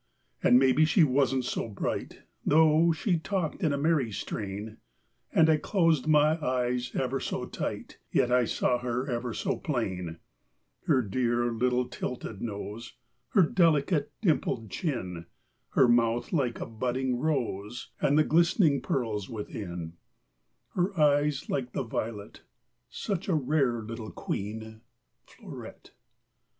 And maybe she wasn't so bright, Though she talked in a merry strain, And I closed my eyes ever so tight, Yet I saw her ever so plain: Her dear little tilted nose, Her delicate, dimpled chin, Her mouth like a budding rose, And the glistening pearls within; Her eyes like the violet: Such a rare little queen Fleurette.